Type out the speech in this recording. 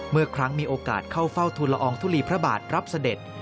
เมื่อครั้งมีโอกาสเข้าเฝ้าทุลอองทุลีพระบาทรับเสด็จ